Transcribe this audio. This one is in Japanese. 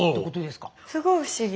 すごい不思議。